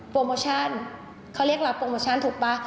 โมชั่นเขาเรียกรับโปรโมชั่นถูกป่ะ